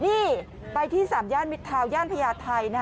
นี่ไปที่๓ย่านมิดทราวย่างพญาไทย